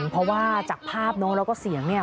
เพราะว่าจากภาพเนอะแล้วก็เสียงเนี่ย